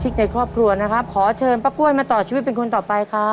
ขอบคุณด้วยจ๊ะ